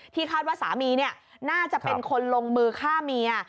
คาดว่าสามีน่าจะเป็นคนลงมือฆ่าเมีย